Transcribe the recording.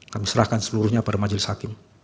kami serahkan seluruhnya pada majelis hakim